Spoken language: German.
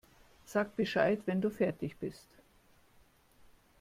Sag Bescheid, wenn du fertig bist.